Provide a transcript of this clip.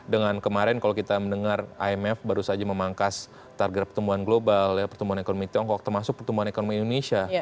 dengan kemarin kalau kita mendengar imf baru saja memangkas target pertumbuhan global pertumbuhan ekonomi tiongkok termasuk pertumbuhan ekonomi indonesia